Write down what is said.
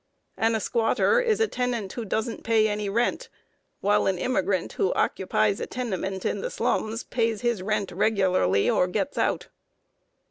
And a squatter is a tenant who doesn't pay any rent, while an immigrant who occupies a tenement in the slums pays his rent regularly or gets out.